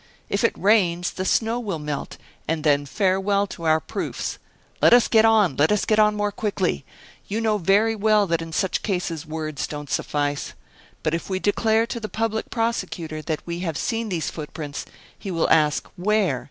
If it rains, the snow will melt, and then farewell to our proofs. Let us get on let us get on more quickly! You know very well that in such cases words don't suffice. If we declare to the public prosecutor that we have seen these footprints, he will ask, where?